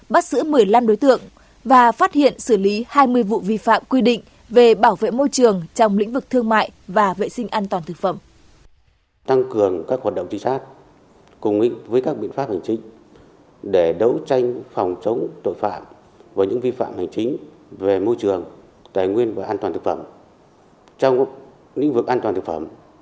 bắt giữ một mươi năm đối tượng và phát hiện xử lý hai mươi vụ vi phạm quy định về bảo vệ môi trường trong lĩnh vực thương mại và vệ sinh an toàn thực phẩm